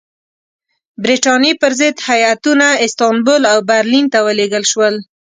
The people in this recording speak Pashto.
برټانیې پر ضد هیاتونه استانبول او برلین ته ولېږل شول.